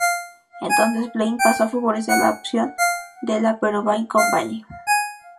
Entonces Blaine pasó a favorecer la opción de la "Peruvian Company".